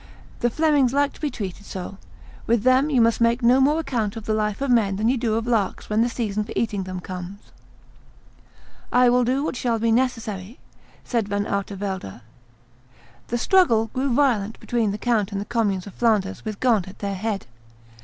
The Flemings like to be treated so; with them you must make no more account of the life of men than you do of larks when the season for eating them comes." "I will do what shall be necessary," said Van Artevelde. The struggle grew violent between the count and the communes of Flanders with Ghent at their head.